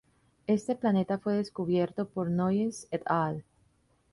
Este planeta fue descubierto por Noyes et al.